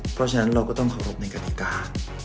เพราะฉะนั้นเราก็ต้องเคารพในกฎิกา